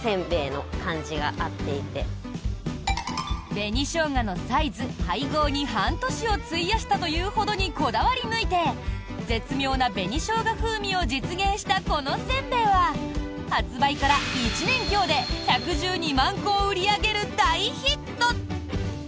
紅ショウガのサイズ・配合に半年を費やしたというほどにこだわり抜いて絶妙な紅ショウガ風味を実現したこのせんべいは発売から１年強で１１２万個を売り上げる大ヒット！